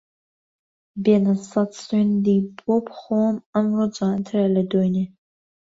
بێنە سەد سوێندی بۆ بخۆم ئەمڕۆ جوانترە لە دوێنێ